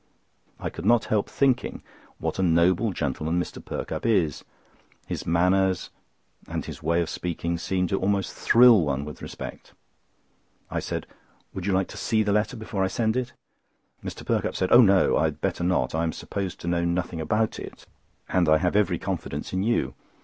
I could not help thinking what a noble gentleman Mr. Perkupp is. His manners and his way of speaking seem to almost thrill one with respect. I said: "Would you like to see the letter before I send it?" Mr. Perkupp said: "Oh no! I had better not. I am supposed to know nothing about it, and I have every confidence in you.